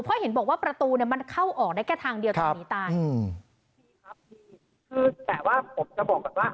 พอเห็นบอกว่าประตูเนี่ยมันเข้าออกได้แค่ทางเดียวตอนนี้ตายครับคือแต่ว่าผมจะบอกแบบว่า